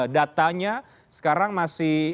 datanya sekarang masih